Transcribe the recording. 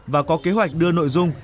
và có kế hoạch đưa nội dung